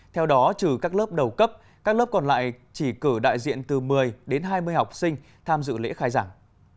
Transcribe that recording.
theo đó trừ các lớp đầu cấp các lớp còn lại chỉ cử đại diện từ một mươi đến hai mươi học sinh tham dự lễ khai giảng